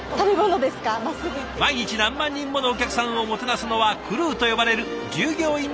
毎日何万人ものお客さんをもてなすのは「クルー」と呼ばれる従業員の皆さん。